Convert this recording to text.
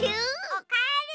おかえり！